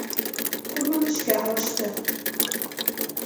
Күрмәмешкә һалышты.